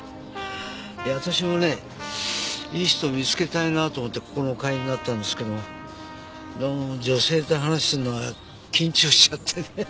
いや私もねいい人を見つけたいなと思ってここの会員になったんですけどどうも女性と話をするのは緊張しちゃってね。